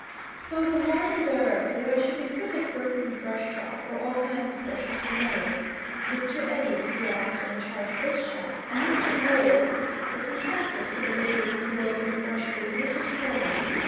So the warden directed that I should be put at work in the brush shop, where all kinds of brushes were made. Mr. Eddy was the officer in charge of this shop, and Mr. Knowles, the contractor for the labor employed in the brush business, was present.